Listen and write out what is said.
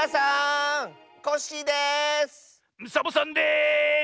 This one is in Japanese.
サボさんです！